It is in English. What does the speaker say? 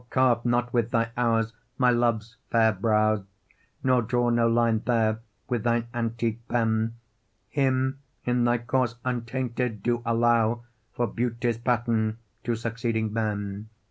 carve not with thy hours my love's fair brow, Nor draw no lines there with thine antique pen; Him in thy course untainted do allow For beauty's pattern to succeeding men.